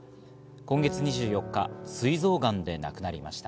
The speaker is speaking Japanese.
今月２４日、すい臓がんで亡くなりました。